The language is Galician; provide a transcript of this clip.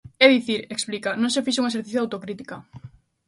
É dicir, explica, non se fixo un exercicio de autocrítica.